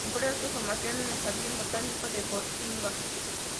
Completa su formación en el Jardín botánico de Gotinga.